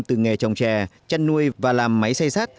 từ nghề trồng trè chăn nuôi và làm máy xây xác